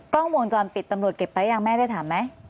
กล้องวงจรปิดตำรวจเก็บไปยังแม่ได้ถามไหม